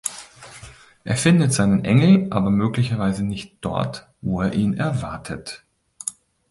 Er findet seinen Engel - aber möglicherweise nicht dort, wo er ihn erwartet.